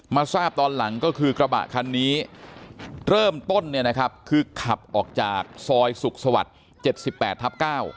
ทราบตอนหลังก็คือกระบะคันนี้เริ่มต้นเนี่ยนะครับคือขับออกจากซอยสุขสวรรค์๗๘ทับ๙